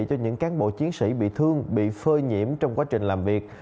cho những cán bộ chiến sĩ bị thương bị phơi nhiễm trong quá trình làm việc